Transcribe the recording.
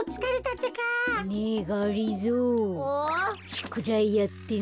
しゅくだいやってね。